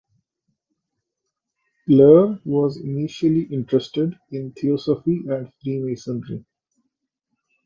Glauer was initially interested in Theosophy and Freemasonry.